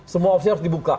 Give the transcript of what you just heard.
semua opsi harus dibuka